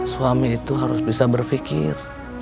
suami itu harus bisa berpikir